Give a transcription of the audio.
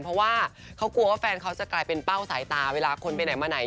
เพราะว่าเขากลัวว่าแฟนเขาจะกลายเป็นเป้าสายตาเวลาคนไปไหนมาไหน